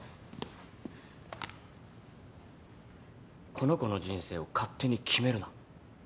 この子の人生を勝手に決めるな。